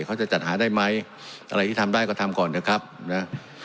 เขาจะจัดหาได้ไหมอะไรที่ทำได้ก็ทำก่อนเถอะครับนะ